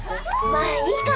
まあいいか。